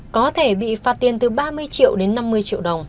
có thể bị phạt tiền từ ba mươi triệu đến năm mươi triệu đồng